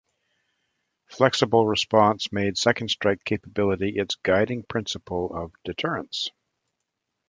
Flexible response made second strike capability its guiding principle of deterrence.